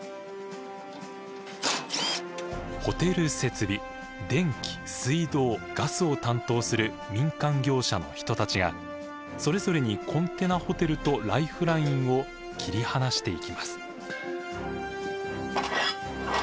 ホテル設備電気水道ガスを担当する民間業者の人たちがそれぞれにコンテナホテルとライフラインを切り離していきます。